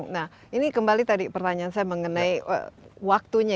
nah ini kembali tadi pertanyaan saya mengenai waktunya